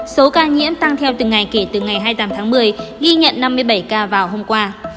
số ca nhiễm tăng theo từng ngày kể từ ngày hai mươi tám tháng một mươi ghi nhận năm mươi bảy ca vào hôm qua